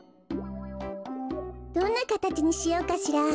どんなかたちにしようかしら。